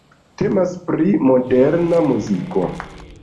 Temas pri Moderna muziko.